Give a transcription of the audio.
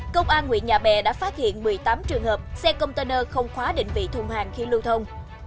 công an nguyễn nhà bè đã phát hiện một mươi tám trường hợp xe container không khóa định vị thùng hàng khi lưu thông